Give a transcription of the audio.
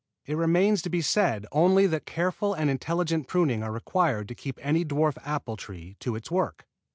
It remains to be said only that careful and intelligent pruning are required to keep any dwarf apple tree to its work.